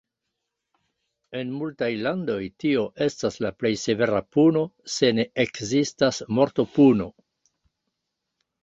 En multaj landoj tio estas la plej severa puno, se ne ekzistas mortopuno.